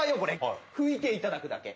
拭いていただくだけ。